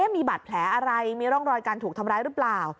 มีบาดแผลอะไรมีร่องรอยการถูกทำร้ายหรือเปล่า